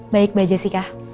baik mbak jessica